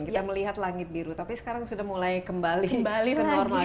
kita melihat langit biru tapi sekarang sudah mulai kembali ke normal